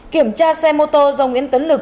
kiểm tra xe mô tô do nguyễn tấn lực